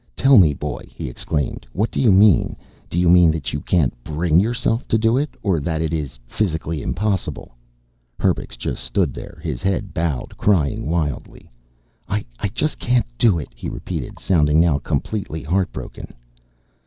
"Tell me, boy," he exclaimed. "What do you mean? Do you mean that you can't bring yourself to do it, or that it is physically impossible?" Herbux just stood there, his head bowed, crying wildly. "I just can't do it," he repeated, sounding now completely heart broken.